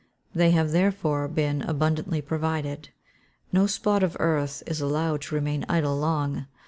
They have therefore been abundantly provided. No spot of earth is allowed to remain idle long.